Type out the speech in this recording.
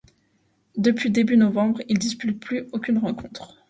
Depuis début novembre, il dispute plus aucune rencontre.